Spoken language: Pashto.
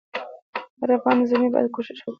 هر افغان زلمی باید کوښښ وکړي.